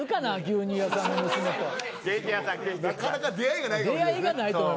なかなか出会いがないかも。